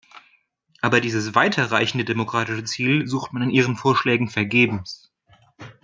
Aber dieses weiter reichende demokratische Ziel sucht man in Ihren Vorschlägen vergebens.